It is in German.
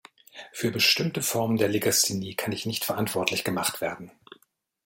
Für bestimmte Formen der Legasthenie kann ich nicht verantwortlich gemacht werden.